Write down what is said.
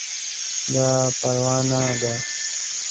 دا پروانه ده